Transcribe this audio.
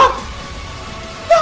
gak mungkin dok